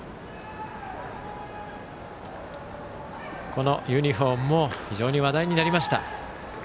このユニフォームも非常に話題になりました。